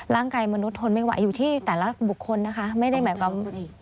ร่างกายมนุษย์ทนไม่ไหวอยู่ที่แต่ละบุคคลนะคะไม่ได้หมายความต่างแต่ละคนอีก